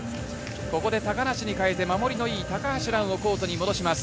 ここで高梨に代えて守りの良い高橋藍をコートに戻します。